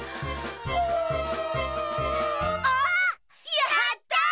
やった！